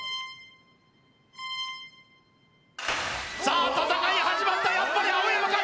さあ戦い始まったやっぱり碧山か？